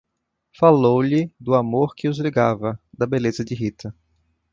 Falou-lhe do amor que os ligava, da beleza de Rita.